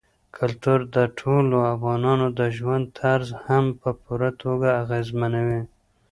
کلتور د ټولو افغانانو د ژوند طرز هم په پوره توګه اغېزمنوي.